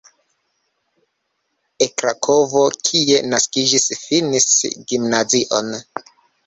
En Krakovo, kie naskiĝis, finis gimnazion.